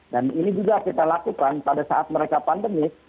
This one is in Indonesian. dan ini juga kita lakukan pada saat mereka pandemik